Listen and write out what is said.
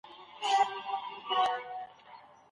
میرویس په اصفهان کې د عالي رتبه مقاماتو باور ترلاسه کړ.